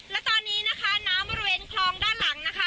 และตอนนี้นะคะน้ำบริเวณคลองด้านหลังนะคะ